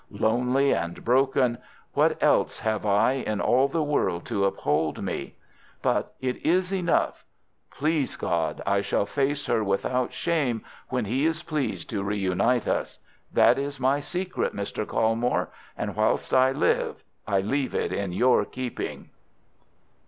Lonely and broken, what else have I in all the world to uphold me? But it is enough. Please God, I shall face her without shame when He is pleased to reunite us! That is my secret, Mr. Colmore, and whilst I live I leave it in your keeping."